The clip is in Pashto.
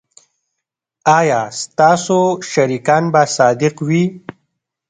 ایا ستاسو شریکان به صادق وي؟